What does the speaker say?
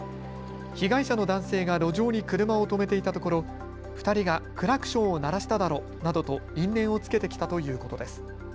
被害者の男性が路上に車を停めていたところ、２人がクラクションを鳴らしただろなどと因縁をつけてきたということです。